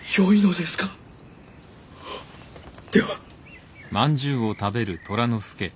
では。